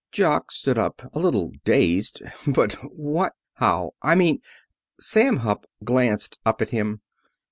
Jock stood up, a little dazed. "But, what! How? I mean " Sam Hupp glanced up at him.